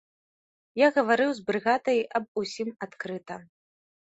Я гаварыў з брыгадай аб усім адкрыта.